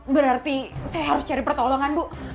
berarti saya harus cari pertolongan bu